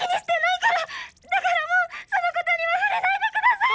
だからもうそのことには触れないでください！